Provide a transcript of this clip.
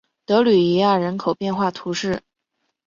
德吕伊亚人口变化图示